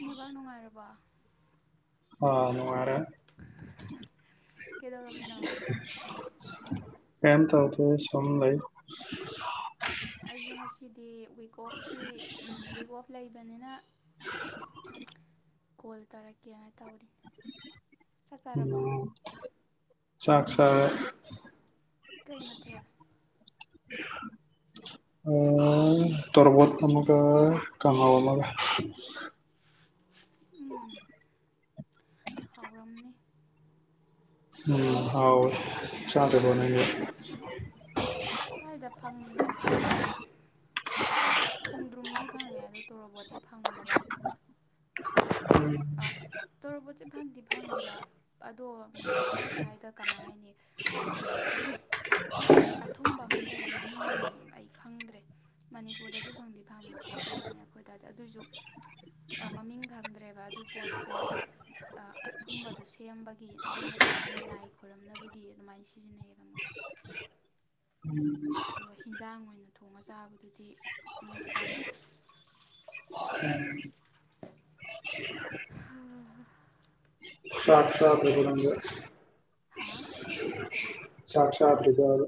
network ꯅꯨꯉꯥꯏꯔꯕ ꯑ ꯅꯨꯉꯥꯏꯔꯦ ꯀꯩꯗꯧꯔꯝꯃꯤꯅꯣ ꯀꯦꯝ ꯇꯧꯗꯦ ꯁꯨꯝ ꯂꯩ ꯑꯩꯁꯨ ꯉꯁꯤꯗꯤ ꯋꯤꯛ ꯑꯣꯐꯀꯤ ꯋꯤꯛ ꯑꯣꯐ ꯂꯩꯕꯅꯤꯅ ꯀꯣꯜ ꯇꯧꯔꯛꯀꯦꯅ ꯇꯧꯔꯤ ꯆꯠ ꯆꯥꯔꯕꯣ ꯎꯝ ꯆꯥꯛ ꯆꯥꯔꯦ ꯀꯩ ꯃꯊꯦꯜ [inaudible] ꯑ ꯇꯣꯔꯣꯕꯣꯠ ꯑꯃꯒ ꯀꯉꯍꯧ ꯑꯃꯒ [inaudible] ꯍꯥꯎꯔꯝꯅꯤ ꯎꯝ ꯍꯥꯎꯥꯋꯦ ꯆꯥꯗ ꯅꯪꯗꯤ ꯁ꯭ꯋꯥꯏꯗ ꯐꯪꯗꯦ ꯈꯣꯡꯗ꯭ꯔꯨꯝꯗꯤ ꯐꯪꯉꯦ ꯑꯗꯨ ꯇꯣꯔꯣꯕꯣꯠꯇꯤ ꯐꯪꯗꯕ [inaudible] ꯑ ꯇꯣꯔꯣꯕꯣꯠꯁꯦ ꯐꯪꯗꯤ ꯐꯪꯉꯦꯕ ꯑꯗꯣ ꯃꯣꯏ ꯁ꯭ꯋꯥꯏꯗ ꯀꯃꯥꯏ ꯍꯥꯏꯅꯤ ꯑꯊꯨꯝꯕ ꯑꯃ ꯂꯩ ꯃꯃꯤꯡ ꯑꯩ ꯈꯪꯗ꯭ꯔꯦ ꯃꯅꯤꯄꯨꯔꯗꯁꯨ ꯐꯪꯗꯤ ꯐꯪꯕ ꯄꯣꯠ ꯑꯣꯏꯕꯅꯦ ꯑꯩꯈꯣꯏ ꯗꯥꯏꯗ ꯑꯗꯨꯏꯁꯨ ꯑ ꯃꯃꯤꯡ ꯈꯪꯗ꯭ꯔꯦꯕ ꯑꯗꯨ ꯄꯣꯠꯁꯦ ꯑ ꯑꯊꯨꯝꯕꯗꯣ ꯁꯦꯝꯕꯒꯤ ꯑꯗꯨ ꯅꯠꯇ꯭ꯔꯒꯅ ꯂꯥꯏ ꯈꯣꯏꯔꯝꯅꯕꯒꯤ ꯑꯗꯨꯃꯥꯏꯅ ꯁꯤꯖꯤꯟꯅꯩꯑꯕ ꯃꯣꯏ [inaudible] ꯑꯗꯨꯒ ꯍꯤꯟꯖꯥꯡ ꯑꯣꯏꯅ ꯊꯣꯡꯉ ꯆꯥꯕ ꯑꯗꯨꯗꯤ ꯃꯣꯏ ꯆꯥꯅꯇꯦ ꯍ ꯍ [unintelligible] ꯍꯥꯥ ꯆꯥꯛ ꯆꯥꯗ꯭ꯔꯤꯕꯕ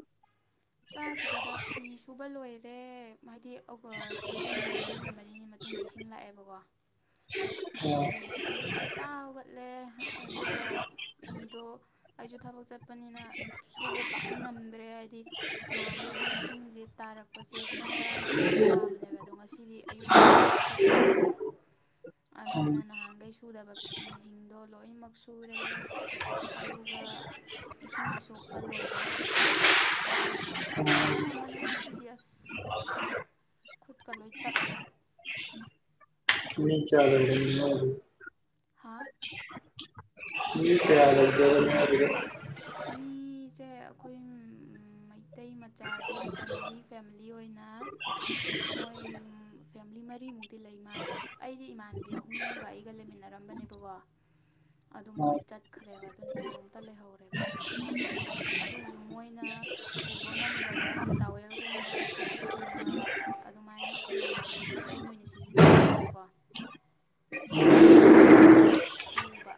ꯆꯥꯗ꯭ꯔꯤꯗ ꯐꯤ ꯁꯨꯕ ꯂꯣꯏꯔꯦ ꯍꯥꯏꯗꯤ ꯑꯣ ꯁꯤꯗꯩꯗ ꯅꯨꯃꯤꯠ ꯃꯔꯤꯅꯤ ꯃꯔꯤꯅꯤ ꯃꯇꯨꯡꯗ ꯏꯁꯤꯡ ꯂꯥꯛꯑꯦꯕꯀꯣ ꯑꯥ ꯑꯗꯨꯒꯤ ꯑꯌꯨꯛ ꯉꯟꯇꯥ ꯍꯧꯒꯠꯂꯦ ꯑꯗꯨꯒ ꯐꯤꯗꯣ ꯑꯩꯁꯨ ꯊꯕꯛ ꯆꯠꯄꯅꯤꯅ ꯁꯨꯕ ꯄꯥꯛ ꯉꯝꯗ꯭ꯔꯦ ꯍꯥꯏꯗꯤ ꯅꯍꯥꯟꯈꯩꯗꯤ ꯏꯁꯤꯡꯁꯦ ꯇꯥꯔꯛꯄꯁꯦ ꯄꯨꯡ ꯇꯔꯥꯃꯥꯊꯣꯏꯗ ꯇꯥꯕꯅꯦꯕ ꯑꯗꯣ ꯉꯁꯤꯗꯤ ꯑꯌꯨꯛꯀꯤ ꯄꯨꯡ ꯇꯔꯨꯛꯇ ꯇꯥꯔꯛꯑꯦ ꯎꯝ ꯑꯗꯨꯅ ꯅꯍꯥꯟꯈꯩ ꯁꯨꯗꯕ ꯐꯤꯁꯤꯡꯗꯣ ꯂꯣꯏꯅꯃꯛ ꯁꯨꯔꯦ ꯑꯗꯨꯒ ꯏꯁꯤꯡ ꯁꯣꯛꯄ ꯂꯣꯏꯗꯧꯔꯦ ꯐꯤ ꯈꯨꯌꯥ ꯑꯃꯅꯦ ꯉꯁꯤꯗꯤ ꯑꯁ ꯈꯨꯠꯀ ꯂꯣꯏ ꯇꯠꯂꯦ [unintelligible] ꯍꯥꯥ [unintelligible] ꯁꯦ ꯑꯩꯈꯣꯏ ꯎꯝ ꯃꯇꯩ ꯃꯆꯥꯁꯦ ꯐꯦꯃꯤꯂꯤ ꯐꯦꯃꯤꯂꯤ ꯑꯣꯏꯅ ꯃꯣꯏ ꯐꯦꯃꯤꯂꯤ ꯃ ꯗꯤ ꯂꯩ ꯃꯥꯜꯂꯦ ꯑꯩꯗꯤ ꯏꯃꯥꯟꯅꯕꯤ ꯑꯍꯨꯝꯒ ꯑꯩꯒ ꯂꯩꯃꯤꯟꯅꯔꯝꯕꯅꯦꯕꯀꯣ ꯑꯗꯨꯝ ꯃꯣꯏ ꯑꯥ ꯆꯠꯈ꯭ꯔꯦꯕ ꯑꯗꯨꯅ ꯏꯇꯣꯝꯇ ꯂꯩꯍꯧꯔꯦꯕ ꯑꯗꯨꯏꯁꯨ ꯃꯣꯏꯅ ꯄꯨꯕ ꯉꯝꯗꯕ ꯍꯥꯏꯗꯤ ꯇꯥꯋꯦꯜꯒꯨꯝꯕ ꯀꯨꯝꯕ ꯐꯩꯖꯛꯀꯨꯝꯕ ꯑꯗꯨꯃꯥꯏꯅ ꯐꯤꯔꯣꯜꯁꯤꯡꯗꯨꯗꯤ ꯑꯩꯅ ꯑꯣꯏꯅ ꯁꯤꯖꯤꯟꯅꯍꯧꯔꯦꯕꯀꯣ ꯑꯗꯨꯁꯤꯡꯗꯣ ꯑꯃꯨꯛ ꯁꯨꯕ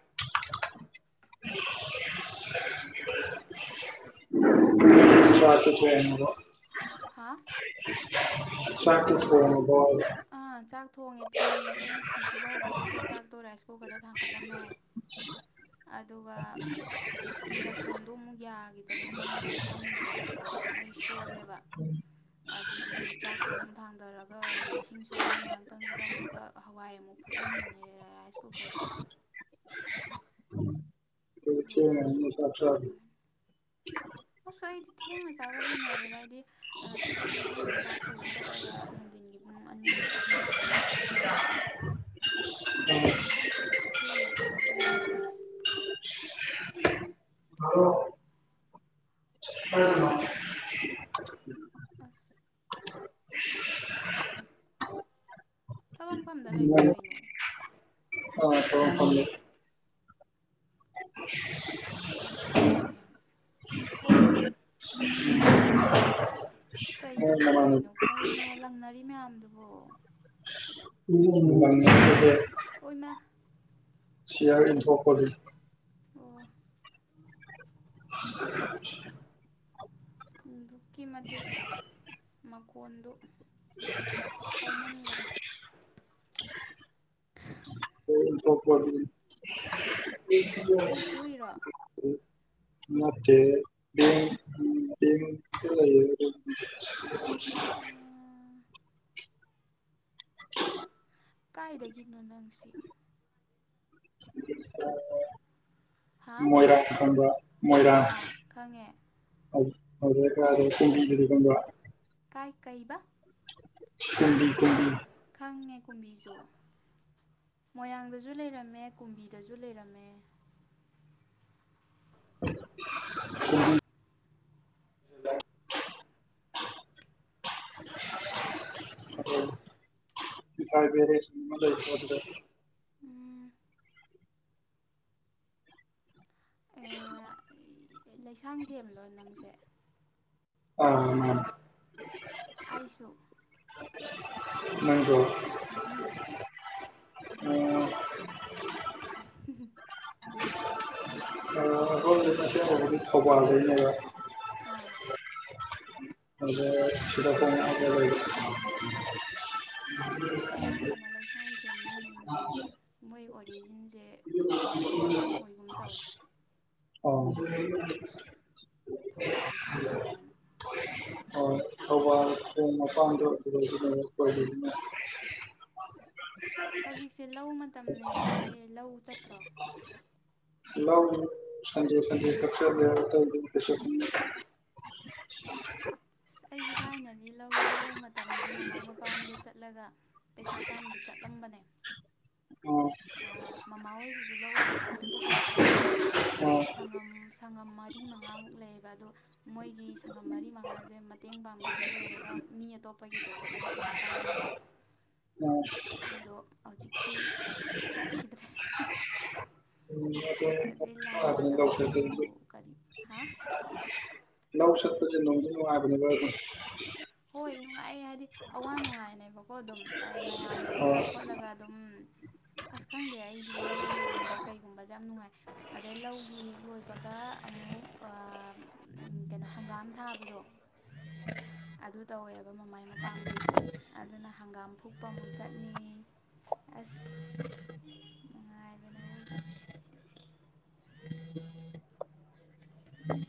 [unintelligible] ꯍꯥꯥ ꯆꯥꯛꯇꯤ ꯊꯣꯡꯉꯕꯣ ꯑꯥ ꯆꯥꯛ ꯊꯣꯡꯉꯦ ꯐꯤ ꯑꯩꯅ ꯐꯤ ꯁꯨꯕ ꯍꯧꯕꯗꯨꯗ ꯆꯥꯛꯇꯣ ꯔꯥꯏꯁ ꯀꯨꯀꯔꯗ ꯊꯥꯡꯒꯠꯂꯝꯃꯦ ꯑꯗꯨꯒ ꯏꯟꯗꯛꯁꯟꯗꯣ ꯑꯃꯨꯛ ꯌꯥꯈꯤꯗꯔꯦ ꯃꯩꯗꯣ ꯆꯪꯗ꯭ꯔꯦꯕꯀꯣ ꯃꯩ ꯁꯣꯜꯂꯦꯕ ꯑꯗꯨꯒꯤ ꯑꯃꯨꯛ ꯆꯥꯛꯇꯣ ꯑꯃꯨꯛ ꯊꯥꯡꯊꯔꯒ ꯍꯧꯖꯤꯛ ꯏꯁꯤꯡ ꯁꯣꯛꯏꯉꯩ ꯉꯥꯏꯍꯥꯛꯇꯪꯁꯤꯗ ꯑꯃꯨꯛꯀ ꯍꯋꯥꯏ ꯑꯃꯨꯛ ꯐꯨꯠꯂꯝꯕꯅꯦ ꯔꯥꯏꯁ ꯀꯨꯀꯔꯗ [unintelligible] ꯑꯗꯨꯗꯤ ꯉꯥꯏꯍꯥꯛ ꯊꯦꯡꯉꯅꯤꯅꯦ ꯁꯣꯛ ꯆꯥꯛ ꯇꯧꯊꯣꯛꯑ ꯆꯥꯕ ꯂꯣꯏꯔꯅꯤ ꯑꯁ ꯑꯩꯗꯤ ꯊꯦꯡꯅ ꯆꯥꯕ ꯍꯩꯅꯔꯦ ꯑꯗꯏꯗꯤ ꯊꯕꯛ ꯃꯐꯝꯗ ꯆꯥꯛ ꯄꯨꯔ ꯆꯠꯂꯒ ꯅꯨꯡꯊꯤꯟꯒꯤ ꯄꯨꯡ ꯑꯅꯤ ꯑꯍꯨꯝ ꯁꯤꯗ ꯆꯥꯛ ꯆꯥꯏꯌꯦꯕ ꯑꯗꯨꯅ ꯊꯦꯡꯅ ꯆꯥꯕ ꯑꯗꯨꯝ ꯍꯩꯅꯔꯦ ꯅꯣꯏ ꯑꯁ ꯊꯕꯛꯐꯝꯗ ꯂꯩꯕ꯭ꯔꯣ ꯀꯩꯅꯣ ꯑꯥ [inaudible] ꯋꯥꯉ ꯌꯥꯝ ꯌꯥꯝ [inaudible] [unintelligible] ꯀꯩ ꯅꯣꯏ ꯊꯕꯛ ꯅꯃꯥꯟꯅꯕꯤ ꯇꯧꯔꯤꯅꯣ ꯀꯩꯅꯣ ꯂꯪꯅꯔꯤ ꯃꯌꯥꯝꯗꯨꯕꯣ [inaudible] ꯑꯣꯏꯃ ꯁꯤꯌꯥꯔꯤꯟ ꯊꯄꯂꯤ ꯑꯣ [inaudible] [unintelligible] ꯑꯗꯨꯛꯀꯤ ꯃꯇꯤꯛ ꯃꯀꯣꯟꯗꯨꯣ ꯍꯧꯥꯎꯃꯟꯈꯔꯦ [inaudible] ꯎ ꯁꯣꯏꯔꯣ [unintelligible] [inaudible] [unintelligible] ꯎꯝ [inaudible] ꯀꯥꯏꯗꯒꯤꯅꯣ ꯅꯪꯁꯤ ꯍꯥ [inaudible] ꯃꯣꯏꯔꯥ ꯀꯕ ꯃꯣꯏꯔꯥ ꯑꯥ ꯈꯪꯉꯦ ꯑꯗꯨ ꯑꯔ ꯆ ꯆ [inaudible] ꯀꯥꯏ ꯀꯩꯕ ꯀꯨꯝꯕꯤ ꯀꯨꯝꯕꯤ ꯆꯪꯉꯦ ꯀꯨꯝꯕꯤꯁꯨ ꯃꯣꯏꯔꯥꯡꯗꯁꯨ ꯂꯩꯔꯝꯃꯦ ꯀꯨꯝꯕꯤꯗꯁꯨ ꯂꯩꯔꯝꯃꯦ ꯎ [inaudible] [unintelligible] [inaudible] [inaudible] ꯐꯥꯏꯕꯔꯦ ꯂꯩꯗ [inaudible] ꯎꯝ [inaudible] ꯂꯩꯁꯥꯡ ꯊꯦꯝꯂꯣ ꯅꯪꯁꯦ ꯑ ꯃꯥꯅꯤ ꯑꯩꯁꯨ ꯅꯪꯖꯣ ꯎꯝ ꯎꯝ [inaudible] [inaudible] ꯗꯤ ꯈꯥꯎꯕꯒ ꯦ [unintelligible] ꯑꯥ [inaudible] [unintelligible] [inaudible] ꯌꯥꯗꯦ ꯃꯤ [inaudible] ꯃꯣꯏ ꯑꯣꯔꯤꯖꯤꯟꯁꯦ ꯊꯧꯕꯥꯜꯗꯒꯤ ꯂꯣꯏ ꯑꯣꯏꯒꯨꯝ ꯇꯧꯋꯦ ꯑꯣ ꯊꯧꯕꯥꯜ ꯂꯩꯁꯥꯡꯊꯦꯝꯕꯅ ꯃꯄꯥ ꯍꯧꯖꯤꯛꯁꯦ ꯂꯧ ꯃꯇꯝꯅꯦ ꯍꯥꯏꯌꯦ ꯂꯧ ꯆꯠ ꯂ ꯁꯦ ꯀꯛꯆꯔ ꯑꯁ ꯑꯩꯁꯨ ꯊꯥꯏꯅꯗꯤ ꯂꯧ ꯂꯧ ꯃꯇꯝꯁꯦ ꯃꯃꯥ ꯃꯄꯥꯝꯗ ꯆꯠꯂꯒ ꯄꯩꯁꯥ ꯇꯥꯟꯕ ꯆꯠꯂꯝ ꯑꯥ ꯃꯃꯥ ꯍꯣꯏꯒꯤꯁꯨ ꯂꯧ ꯌꯥꯝ ꯆꯥꯎꯋꯦꯕꯀꯣ ꯑꯥ ꯁꯪꯒꯝ ꯁꯪꯒꯝ ꯃꯔꯤ ꯃꯉꯥꯃꯨꯛ ꯂꯩꯌꯦꯕ ꯑꯣ ꯃꯣꯏꯒꯤ ꯁꯪꯒꯝ ꯃꯔꯤ ꯃꯉꯥꯁꯦ ꯃꯇꯦꯡ ꯄꯥꯡꯕꯤꯕ ꯂꯣꯏꯔꯒ ꯃꯤ ꯑꯇꯣꯞꯄꯒꯤꯗ ꯆꯠꯂꯒ ꯄꯩꯁꯥ ꯇꯥꯜꯂꯝꯃꯦꯕ ꯑꯥ ꯑꯗꯣ ꯍꯧꯖꯤꯛꯇꯤ ꯆꯠꯈꯤꯗ꯭ꯔꯦ ꯎꯝ ꯑꯗꯩ ꯂꯥꯟ ꯑꯗꯨꯝ ꯅꯨꯡꯉꯥꯏꯕꯅꯦ ꯂꯧ ꯃꯇꯝꯁꯨ ꯆꯠꯄꯁꯦ ꯀꯔꯤ ꯍꯥ ꯅꯣꯡꯒꯅꯤ ꯍꯣꯏ ꯅꯨꯡꯉꯥꯏ ꯀ ꯍꯥꯏꯗꯤ ꯑꯋꯥ ꯅꯨꯡꯉꯥꯏꯅꯦꯕꯀꯣ ꯑꯗꯨꯝ ꯑꯩ ꯃꯌꯥꯝ ꯄꯨꯜꯂ ꯍꯣꯏ ꯈꯣꯠꯂꯒ ꯑꯗꯨꯝ ꯑꯁ ꯈꯪꯗꯦ ꯑꯩꯗꯤ ꯂꯧꯒꯨꯝꯕ ꯀꯩꯒꯨꯝꯕꯁꯦ ꯌꯥꯝ ꯅꯨꯡꯉꯥꯏ ꯑꯗꯩ ꯂꯧꯒꯤ ꯍꯦꯛ ꯂꯣꯏꯕꯒ ꯑꯃꯨꯛ ꯀꯩꯅꯣ ꯍꯪꯒꯥꯝ ꯊꯥꯕꯗꯣ ꯑꯗꯨ ꯇꯧꯋꯦꯕ ꯃꯃꯥꯏ ꯃꯄꯥꯝꯗꯤ ꯑꯗꯨꯅ ꯍꯪꯒꯥꯝ ꯐꯨꯛꯄ ꯑꯃꯨꯛ ꯆꯠꯅꯤ ꯑꯁ ꯅꯨꯡꯉꯥꯏꯕꯅꯦ ꯑꯋꯣꯏꯕ ꯎꯝ